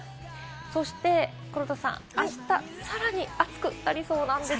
そして黒田さん、あした、さらに暑くなりそうなんです。